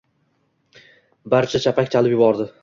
Barcha chapak chalib yubordi.